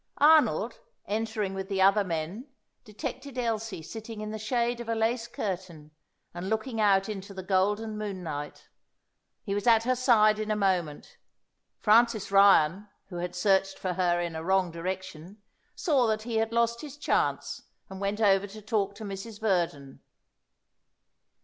Arnold, entering with the other men, detected Elsie sitting in the shade of a lace curtain and looking out into the golden moonlight. He was at her side in a moment. Francis Ryan, who had searched for her in a wrong direction, saw that he had lost his chance, and went over to talk to Mrs. Verdon.